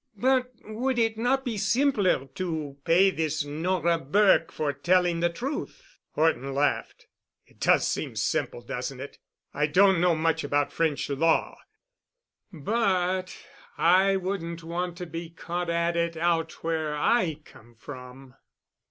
"But would it not be simpler to pay this Nora Burke for telling the truth?" Horton laughed. "It does seem simple, doesn't it? I don't know much about French law, but I wouldn't want to be caught at it out where I come from.